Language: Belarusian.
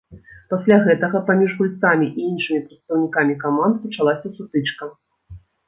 Пасля гэтага паміж гульцамі і іншымі прадстаўнікамі каманд пачалася сутычка.